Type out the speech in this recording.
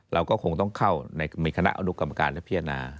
เราก็คงต้องเข้าในมีคณะอดุกรรมการที่ปีหน้า